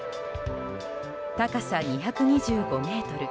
高さ２２５ｍ。